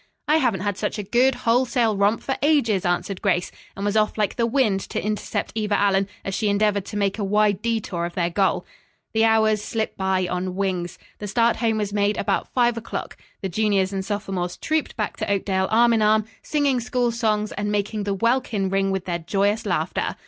"I haven't had such a good, wholesale romp for ages," answered Grace, and was off like the wind to intercept Eva Allen as she endeavored to make a wide detour of their goal. The hours slipped by on wings. The start home was made about five o'clock. The juniors and sophomores trooped back to Oakdale arm in arm, singing school songs and making the welkin ring with their joyous laughter.